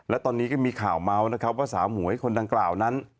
และตอนนี้ก็มีข่าวเมาส์นะครับว่าสาวหมวยคนดังกล่าวนั้น